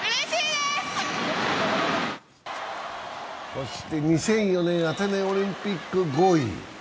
そして２００４年、アテネオリンピック４位。